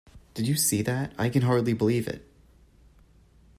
Did you see that? I can hardly believe it!